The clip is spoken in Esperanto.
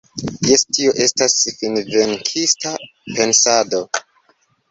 Jes, tio estas finvenkista pensado.